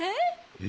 え？